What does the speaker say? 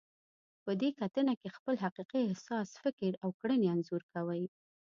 په دې کتنه کې خپل حقیقي احساس، فکر او کړنې انځور کوئ.